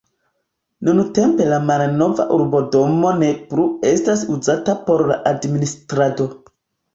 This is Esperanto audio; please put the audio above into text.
Nuntempe la malnova urbodomo ne plu estas uzata por la administrado.